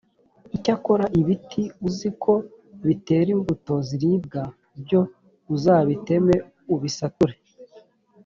icyakora ibiti uzi ko bitera imbuto ziribwa, byo uzabiteme ubisature,